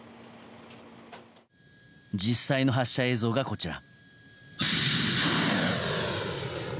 実際の発射映像がこちら。